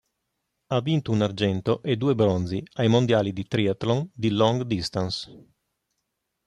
Ha vinto un argento e due bronzi ai mondiali di triathlon di "long distance".